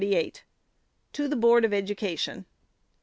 To THE BOARD OF EDUCATION.